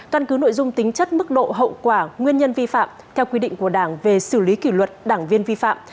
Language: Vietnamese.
căn cứ nội dung tính chất mức độ hậu quả nguyên nhân vi phạm theo quy định của đảng về xử lý kỷ luật đảng viên vi phạm